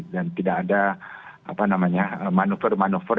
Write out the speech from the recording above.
dan tidak ada apa namanya manuver manuver